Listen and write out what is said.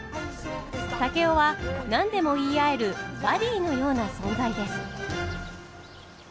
竹雄は何でも言い合えるバディーのような存在です。